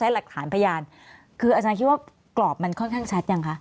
และหลักฐานพยานคืออาจารย์คิดว่ากรอบมันค่อนข้างชัดยังคะ